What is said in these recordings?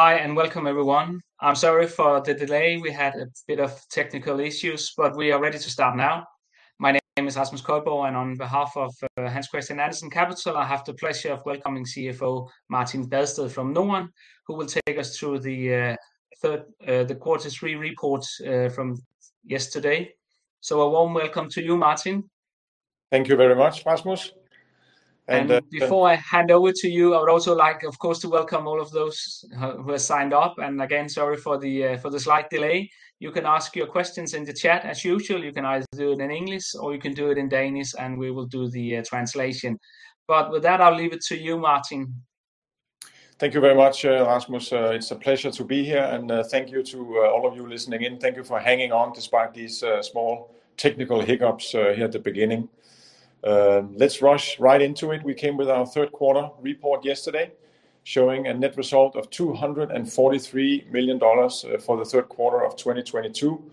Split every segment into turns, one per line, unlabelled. Hi, welcome everyone. I'm sorry for the delay. We had a bit of technical issues, but we are ready to start now. My name is Rasmus Kolbo, and on behalf of HC Andersen Capital, I have the pleasure of welcoming CFO Martin Badsted from NORDEN, who will take us through the quarter three report from yesterday. A warm welcome to you, Martin.
Thank you very much, Rasmus.
Before I hand over to you, I would also like, of course, to welcome all of those who have signed up. Again, sorry for the slight delay. You can ask your questions in the chat as usual. You can either do it in English or you can do it in Danish, and we will do the translation. With that, I'll leave it to you, Martin.
Thank you very much, Rasmus. It's a pleasure to be here. Thank you to all of you listening in. Thank you for hanging on despite these small technical hiccups here at the beginning. Let's rush right into it. We came with our third quarter report yesterday, showing a net result of $243 million for the third quarter of 2022.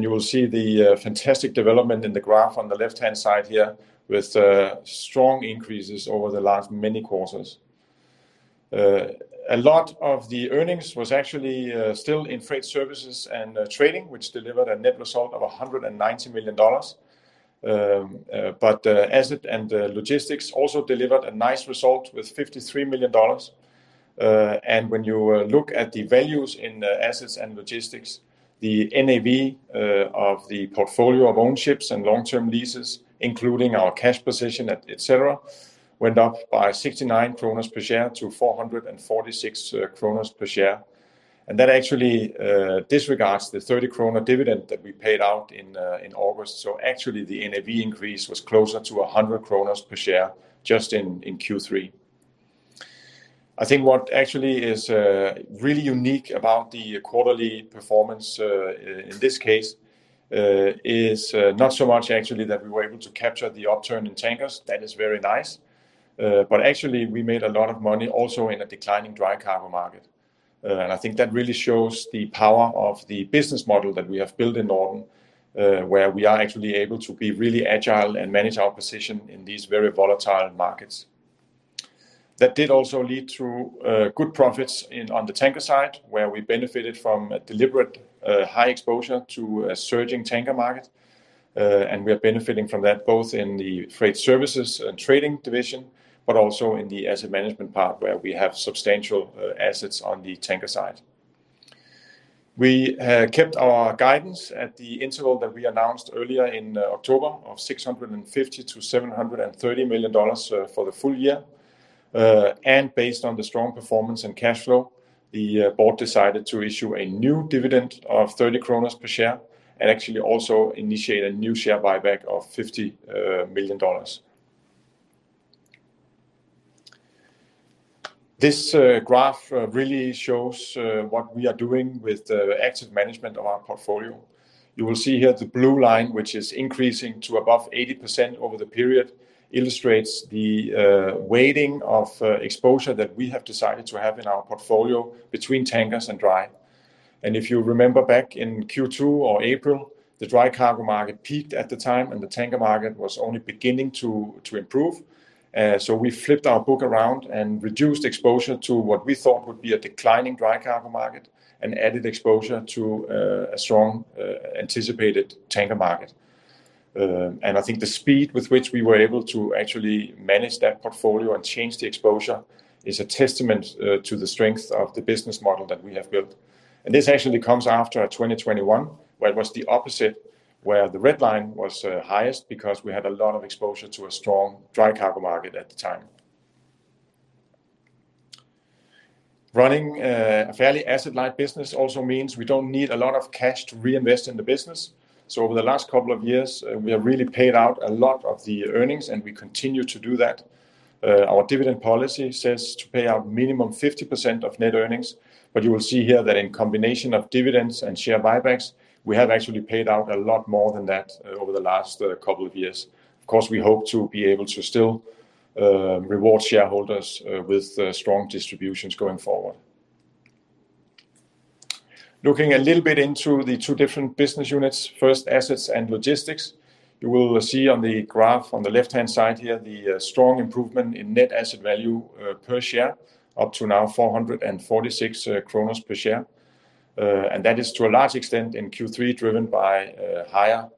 You will see the fantastic development in the graph on the left-hand side here with strong increases over the last many quarters. A lot of the earnings was actually still in Freight Services & Trading, which delivered a net result of $190 million. Assets & Logistics also delivered a nice result with $53 million. When you look at the values in the Assets & Logistics, the NAV of the portfolio of own ships and long-term leases, including our cash position et cetera, went up by 69 kroner per share to 446 kroner per share. That actually disregards the 30 kroner dividend that we paid out in August. Actually, the NAV increase was closer to 100 kroner per share just in Q3. I think what actually is really unique about the quarterly performance in this case is not so much actually that we were able to capture the upturn in tankers. That is very nice. Actually, we made a lot of money also in a declining dry cargo market. I think that really shows the power of the business model that we have built in NORDEN, where we are actually able to be really agile and manage our position in these very volatile markets. That did also lead to good profits on the tanker side, where we benefited from a deliberate high exposure to a surging tanker market. We are benefiting from that both in the Freight Services & Trading division, but also in the asset management part where we have substantial assets on the tanker side. We kept our guidance at the interval that we announced earlier in October of $650 million-$730 million for the full year. Based on the strong performance and cash flow, the board decided to issue a new dividend of 30 kroner per share and actually also initiate a new share buyback of $50 million. This graph really shows what we are doing with the active management of our portfolio. You will see here the blue line, which is increasing to above 80% over the period, illustrates the weighting of exposure that we have decided to have in our portfolio between tankers and dry. If you remember back in Q2 or April, the dry cargo market peaked at the time, and the tanker market was only beginning to improve. We flipped our book around and reduced exposure to what we thought would be a declining dry cargo market and added exposure to a strong anticipated tanker market. I think the speed with which we were able to actually manage that portfolio and change the exposure is a testament to the strength of the business model that we have built. This actually comes after 2021, where it was the opposite, where the red line was highest because we had a lot of exposure to a strong dry cargo market at the time. Running a fairly asset-light business also means we don't need a lot of cash to reinvest in the business. Over the last couple of years, we have really paid out a lot of the earnings, and we continue to do that. Our dividend policy says to pay out minimum 50% of net earnings. You will see here that in combination of dividends and share buybacks, we have actually paid out a lot more than that over the last couple of years. Of course, we hope to be able to still reward shareholders with strong distributions going forward. Looking a little bit into the two different business units, first Assets & Logistics. You will see on the graph on the left-hand side here the strong improvement in net asset value per share, up to now 446 per share. And that is to a large extent in Q3, driven by higher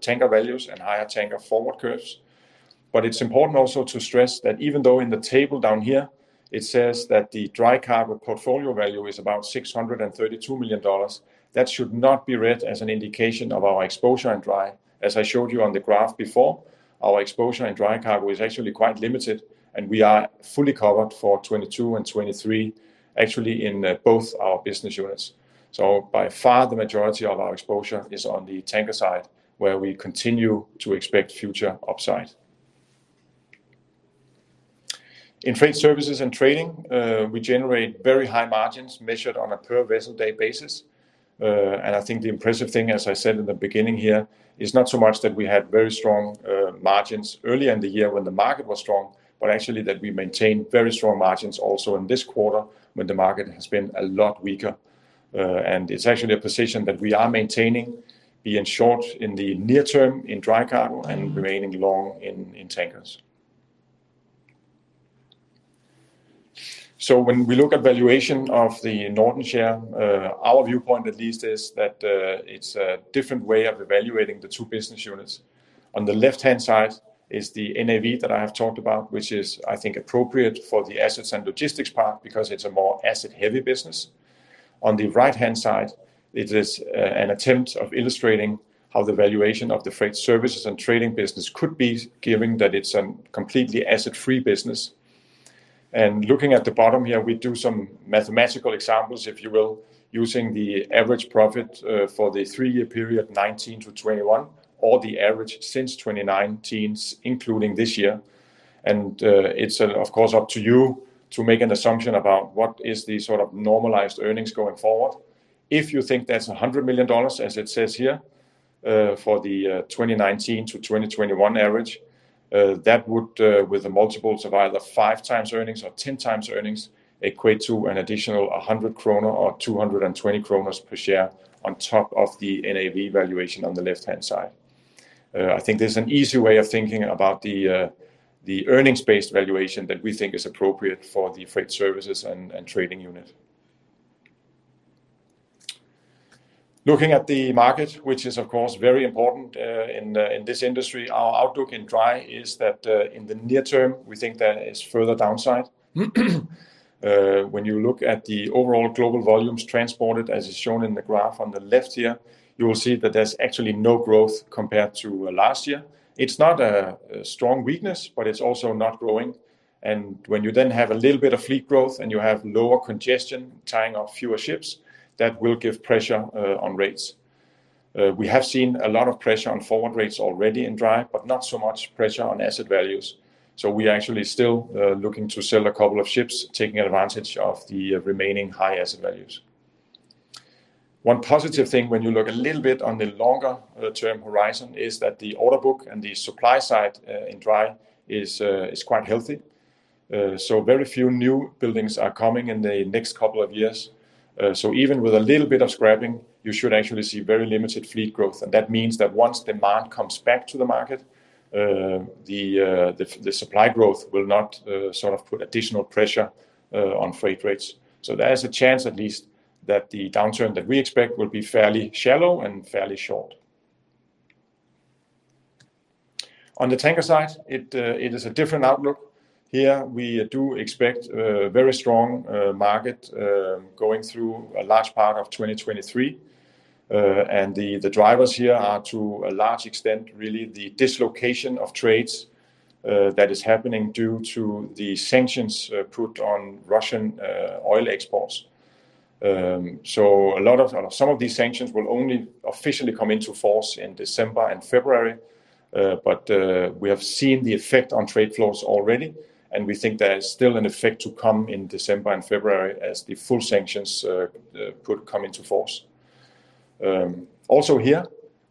tanker values and higher tanker forward curves. It's important also to stress that even though in the table down here, it says that the dry cargo portfolio value is about $632 million, that should not be read as an indication of our exposure in dry. As I showed you on the graph before, our exposure in dry cargo is actually quite limited, and we are fully covered for 2022 and 2023, actually in both our business units. By far, the majority of our exposure is on the tanker side, where we continue to expect future upside. In Freight Services & Trading, we generate very high margins measured on a per-vessel day basis. I think the impressive thing, as I said in the beginning here, is not so much that we had very strong margins early in the year when the market was strong, but actually that we maintained very strong margins also in this quarter when the market has been a lot weaker. It's actually a position that we are maintaining, being short in the near term in dry cargo and remaining long in tankers. When we look at valuation of the NORDEN share, our viewpoint at least is that it's a different way of evaluating the two business units. On the left-hand side is the NAV that I have talked about, which is, I think, appropriate for the Assets & Logistics part because it's a more asset heavy business. On the right-hand side it is an attempt of illustrating how the valuation of the Freight Services & Trading business could be given that it's completely asset free business. Looking at the bottom here, we do some mathematical examples, if you will, using the average profit for the three-year period 2019 to 2021, or the average since 2019 including this year. It's, of course, up to you to make an assumption about what is the sort of normalized earnings going forward. If you think that's $100 million, as it says here, for the 2019 to 2021 average, that would with the multiples of either 5x earnings or 10x earnings equate to an additional a hundred krona or two hundred and twenty kronas per share on top of the NAV valuation on the left-hand side. I think there's an easy way of thinking about the earnings based valuation that we think is appropriate for the Freight Services & Trading unit. Looking at the market, which is of course very important in this industry. Our outlook in dry is that in the near term we think there is further downside. When you look at the overall global volumes transported as is shown in the graph on the left here, you will see that there's actually no growth compared to last year. It's not a strong weakness, but it's also not growing. When you then have a little bit of fleet growth and you have lower congestion tying up fewer ships, that will give pressure on rates. We have seen a lot of pressure on forward rates already in dry, but not so much pressure on asset values. We are actually still looking to sell a couple of ships, taking advantage of the remaining high asset values. One positive thing when you look a little bit on the longer term horizon is that the order book and the supply side in dry is quite healthy. Very few new buildings are coming in the next couple of years. Even with a little bit of scrapping, you should actually see very limited fleet growth. That means that once demand comes back to the market, the supply growth will not sort of put additional pressure on freight rates. There's a chance at least that the downturn that we expect will be fairly shallow and fairly short. On the tanker side, it is a different outlook here. We do expect a very strong market going through a large part of 2023. The drivers here are to a large extent really the dislocation of trades that is happening due to the sanctions put on Russian oil exports. Some of these sanctions will only officially come into force in December and February. We have seen the effect on trade flows already, and we think there is still an effect to come in December and February as the full sanctions could come into force. Also here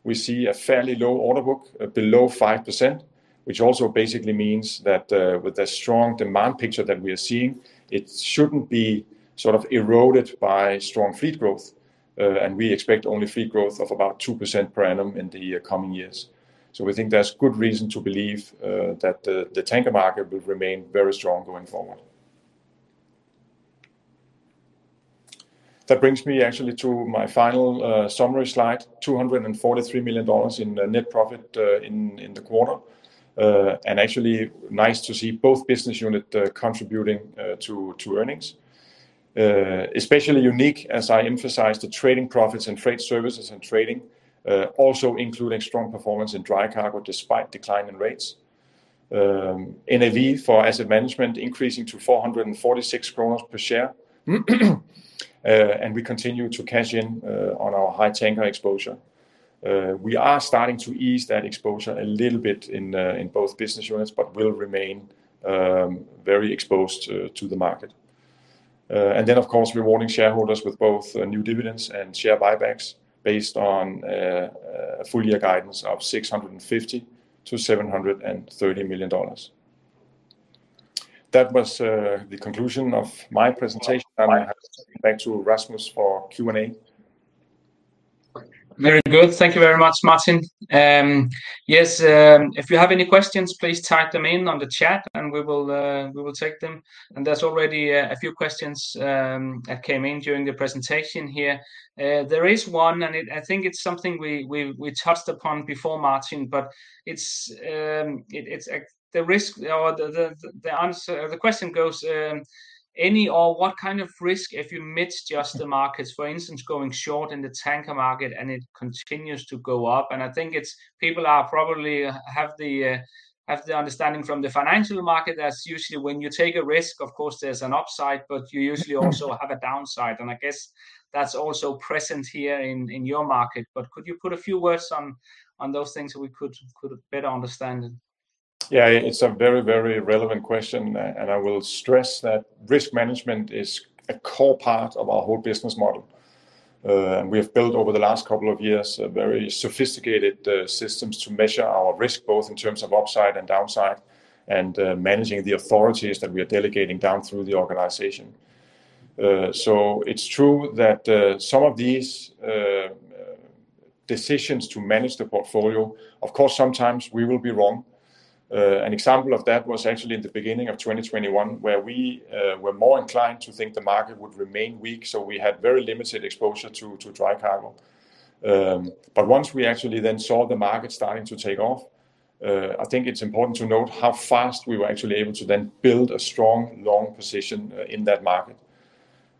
we see a fairly low order book below 5%, which also basically means that, with the strong demand picture that we are seeing, it shouldn't be sort of eroded by strong fleet growth. We expect only fleet growth of about 2% per annum in the coming years. We think there's good reason to believe that the tanker market will remain very strong going forward. That brings me actually to my final summary slide. $243 million in net profit in the quarter. Actually nice to see both business unit contributing to earnings. Especially unique as I emphasize the trading profits and Freight Services & Trading, also including strong performance in dry cargo despite decline in rates. NAV for asset management increasing to 446 kroner per share. We continue to cash in on our high tanker exposure. We are starting to ease that exposure a little bit in both business units, but will remain very exposed to the market. Of course, rewarding shareholders with both new dividends and share buybacks based on full year guidance of $650 million-$730 million. That was the conclusion of my presentation. I hand back to Rasmus for Q&A.
Very good. Thank you very much, Martin. Yes, if you have any questions, please type them in on the chat and we will take them. There's already a few questions that came in during the presentation here. There is one. I think it's something we touched upon before Martin, but it's the risk or the answer. The question goes, any or what kind of risk if you misjudge the markets, for instance, going short in the tanker market and it continues to go up. I think it's people are probably have the understanding from the financial market that usually when you take a risk, of course there's an upside, but you usually also have a downside. I guess that's also present here in your market. But could you put a few words on those things so we could better understand?
Yeah. It's a very, very relevant question, and I will stress that risk management is a core part of our whole business model. We have built over the last couple of years very sophisticated systems to measure our risk, both in terms of upside and downside and managing the authorities that we are delegating down through the organization. It's true that some of these decisions to manage the portfolio, of course, sometimes we will be wrong. An example of that was actually in the beginning of 2021 where we were more inclined to think the market would remain weak, so we had very limited exposure to dry cargo. Once we actually then saw the market starting to take off, I think it's important to note how fast we were actually able to then build a strong, long position in that market.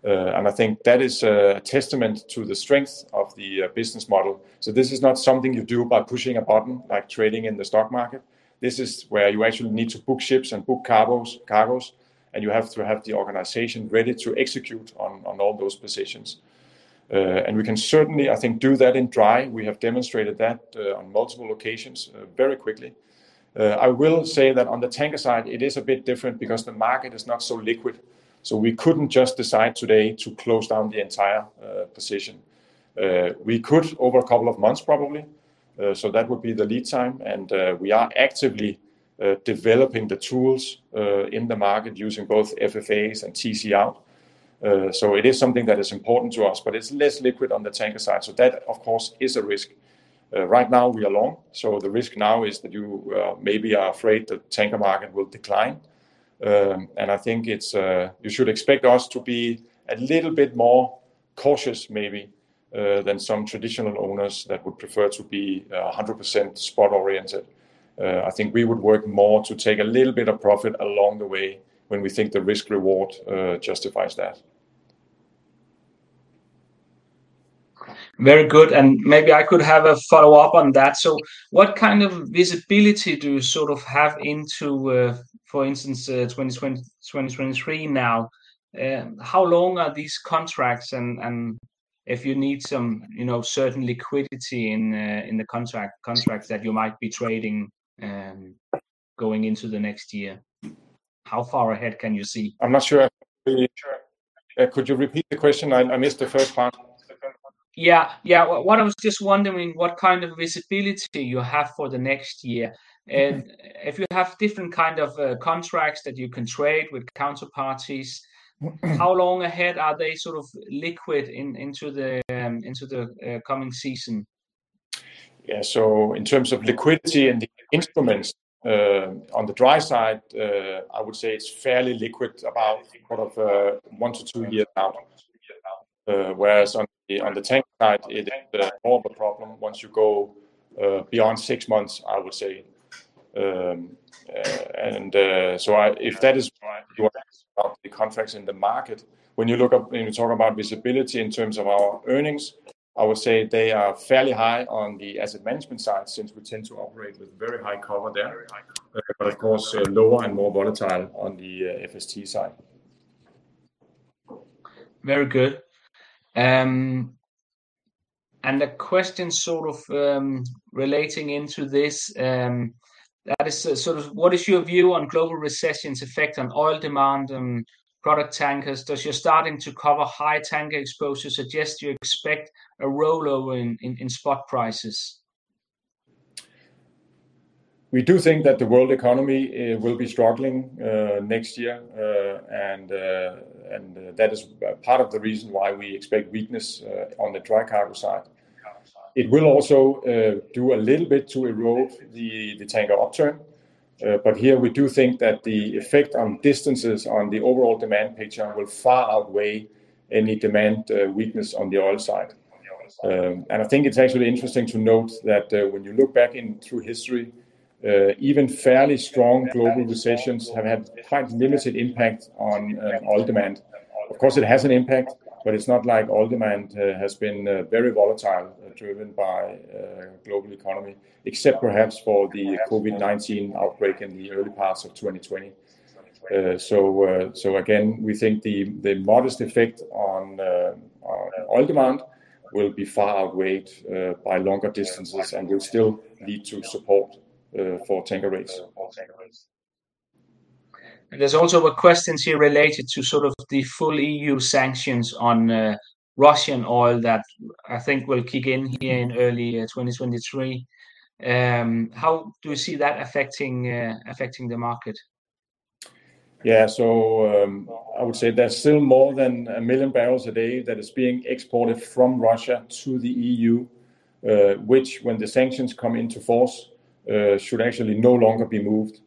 I think that is a testament to the strength of the business model. This is not something you do by pushing a button, like trading in the stock market. This is where you actually need to book ships and book cargos, and you have to have the organization ready to execute on all those positions. We can certainly, I think, do that in dry. We have demonstrated that on multiple occasions very quickly. I will say that on the tanker side, it is a bit different because the market is not so liquid, so we couldn't just decide today to close down the entire position. We could over a couple of months probably, so that would be the lead time, and we are actively developing the tools in the market using both FFAs and TC. It is something that is important to us, but it's less liquid on the tanker side. That of course is a risk. Right now we are long, so the risk now is that you maybe are afraid the tanker market will decline. I think you should expect us to be a little bit more cautious maybe than some traditional owners that would prefer to be 100% spot oriented. I think we would work more to take a little bit of profit along the way when we think the risk-reward justifies that.
Very good. Maybe I could have a follow-up on that. What kind of visibility do you sort of have into, for instance, 2022, 2023 now? How long are these contracts and if you need some, you know, certain liquidity in the contract, contracts that you might be trading, going into the next year, how far ahead can you see?
Could you repeat the question? I missed the first part.
Yeah. Yeah. What I was just wondering, what kind of visibility you have for the next year, and if you have different kind of contracts that you can trade with counterparties, how long ahead are they sort of liquid into the coming season?
Yeah. In terms of liquidity and the instruments, on the dry side, I would say it's fairly liquid about sort of one to two years out. Whereas on the tanker side it is more of a problem once you go beyond six months, I would say. If that is why you are asking about the contracts in the market. When you look up and you talk about visibility in terms of our earnings, I would say they are fairly high on the asset management side since we tend to operate with very high cover there. Of course, lower and more volatile on the FST side.
Very good. A question sort of relating to this, that is sort of what is your view on global recession's effect on oil demand and product tankers? Does your starting to cover high tanker exposure suggest you expect a rollover in spot prices?
We do think that the world economy will be struggling next year. That is part of the reason why we expect weakness on the dry cargo side. It will also do a little bit to erode the tanker upturn. Here we do think that the effect on distances on the overall demand picture will far outweigh any demand weakness on the oil side. I think it's actually interesting to note that when you look back through history even fairly strong global recessions have had quite limited impact on oil demand. Of course, it has an impact, but it's not like oil demand has been very volatile driven by global economy except perhaps for the COVID-19 outbreak in the early parts of 2020. Again, we think the modest effect on oil demand will be far outweighed by longer distances and will still lead to support for tanker rates.
There's also a question here related to sort of the full EU sanctions on Russian oil that I think will kick in here in early 2023. How do you see that affecting the market?
Yeah. I would say there's still more than 1 million barrels a day that is being exported from Russia to the EU, which when the sanctions come into force, should actually no longer be moved.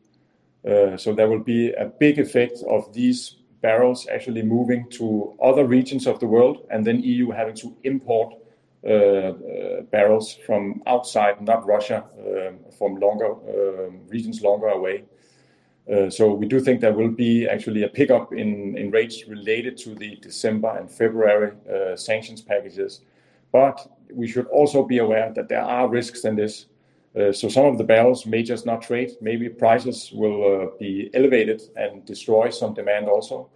There will be a big effect of these barrels actually moving to other regions of the world, and then EU having to import barrels from outside, not Russia, from longer regions longer away. We do think there will be actually a pickup in rates related to the December and February sanctions packages. We should also be aware that there are risks in this. Some of the barrels may just not trade. Maybe prices will be elevated and destroy some demand also.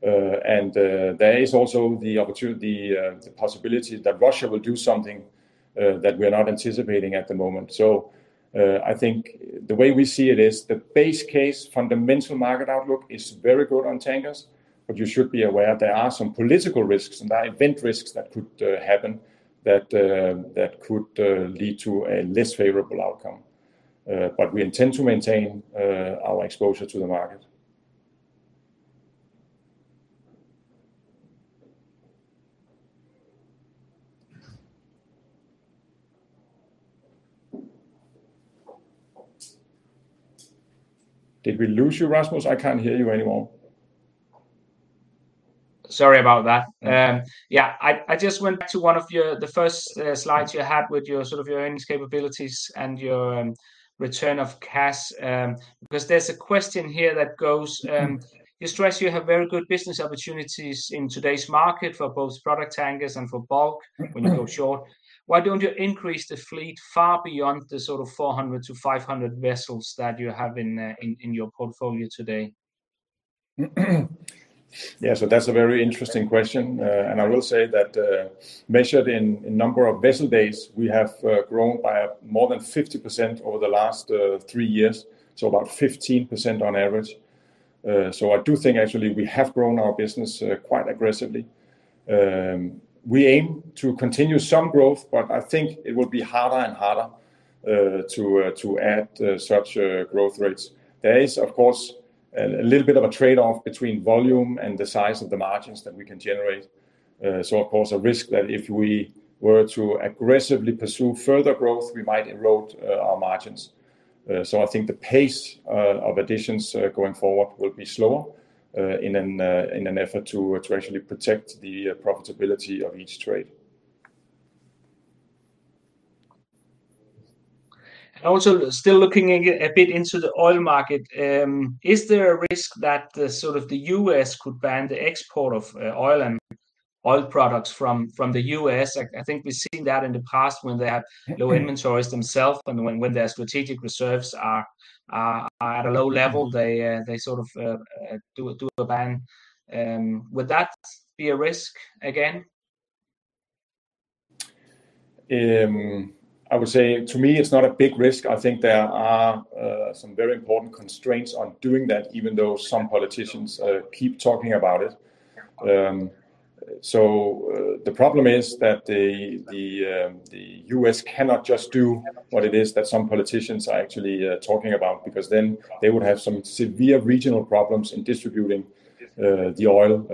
There is also the opportunity, the possibility that Russia will do something that we're not anticipating at the moment. I think the way we see it is the base case fundamental market outlook is very good on tankers, but you should be aware there are some political risks and event risks that could happen that could lead to a less favorable outcome. We intend to maintain our exposure to the market. Did we lose you, Rasmus? I can't hear you anymore.
Sorry about that. Yeah, I just went back to one of your first slides you had with your sort of earnings capabilities and your return of cash. Because there's a question here that goes, you stress you have very good business opportunities in today's market for both product tankers and for bulk when you go short. Why don't you increase the fleet far beyond the sort of 400-500 vessels that you have in your portfolio today?
Yeah. That's a very interesting question. Measured in number of vessel days, we have grown by more than 50% over the last three years, so about 15% on average. I do think actually we have grown our business quite aggressively. We aim to continue some growth, but I think it will be harder and harder to add such growth rates. There is of course a little bit of a trade-off between volume and the size of the margins that we can generate. Of course, a risk that if we were to aggressively pursue further growth, we might erode our margins. I think the pace of additions going forward will be slower in an effort to actually protect the profitability of each trade.
Also still looking a bit into the oil market, is there a risk that the sort of the U.S. could ban the export of oil and oil products from the U.S.? I think we've seen that in the past when they had low inventories themselves and when their strategic reserves are at a low level they sort of do a ban. Would that be a risk again?
I would say to me it's not a big risk. I think there are some very important constraints on doing that even though some politicians keep talking about it. The problem is that the U.S. cannot just do what it is that some politicians are actually talking about because then they would have some severe regional problems in distributing the oil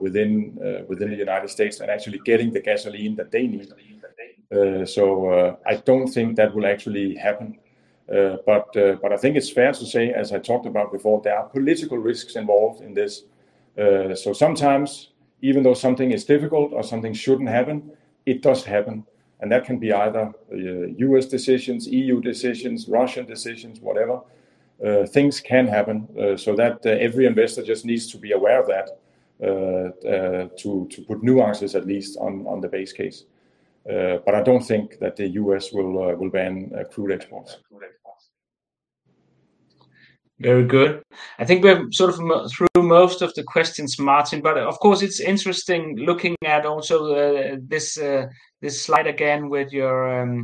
within the United States and actually getting the gasoline that they need. I don't think that will actually happen. I think it's fair to say as I talked about before there are political risks involved in this. Sometimes even though something is difficult or something shouldn't happen, it does happen and that can be either U.S. decisions, EU decisions, Russian decisions, whatever. Things can happen, so that every investor just needs to be aware of that, to put nuances at least on the base case. I don't think that the U.S. will ban crude exports.
Very good. I think we have sort of moved through most of the questions, Martin, but of course it's interesting looking at also this slide again with your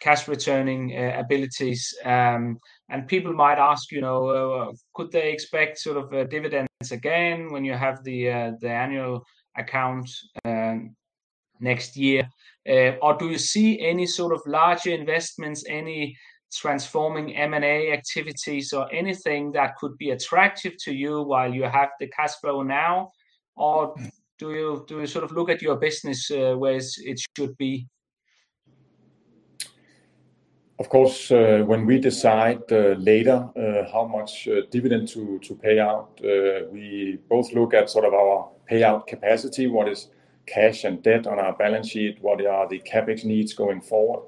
cash returning abilities. People might ask, you know, could they expect sort of dividends again when you have the annual account next year? Do you see any sort of larger investments, any transforming M&A activities or anything that could be attractive to you while you have the cash flow now or do you sort of look at your business where it should be?
Of course, when we decide later how much dividend to pay out, we both look at sort of our payout capacity, what is cash and debt on our balance sheet, what are the CapEx needs going forward.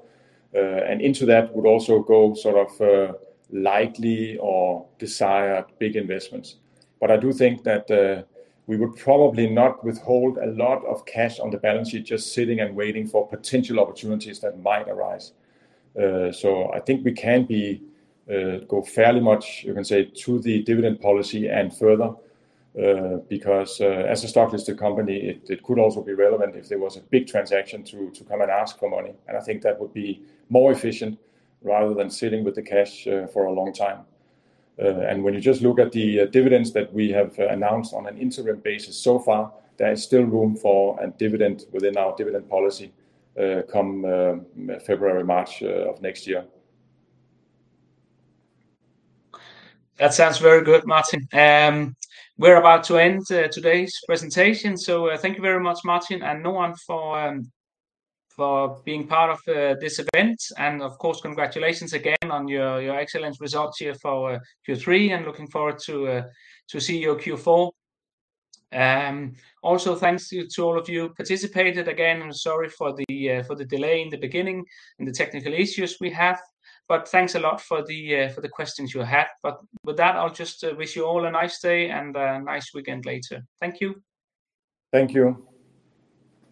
Into that would also go sort of likely or desired big investments. But I do think that we would probably not withhold a lot of cash on the balance sheet just sitting and waiting for potential opportunities that might arise. I think we can go fairly much you can say to the dividend policy and further, because as a stock listed company it could also be relevant if there was a big transaction to come and ask for money and I think that would be more efficient rather than sitting with the cash for a long time. When you just look at the dividends that we have announced on an interim basis so far there is still room for a dividend within our dividend policy come February, March of next year.
That sounds very good, Martin. We're about to end today's presentation. Thank you very much Martin and NORDEN for being part of this event and of course congratulations again on your excellent results here for Q3 and looking forward to see your Q4. Also thanks to all of you participated again and sorry for the delay in the beginning and the technical issues we have but thanks a lot for the questions you had. With that I'll just wish you all a nice day and a nice weekend later. Thank you.
Thank you.